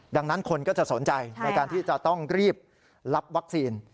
ดังนั้นคนก็จะสนใจในการที่จะต้องรีบรับวัคซีน